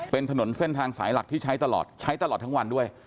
เป็นถนนเส้นทางสายหลักที่ใช้ตลอดใช้ตลอดทั้งวันด้วย